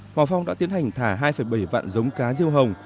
hòa phong đã tiến hành thả hai bảy vạn giống cá riêu hồng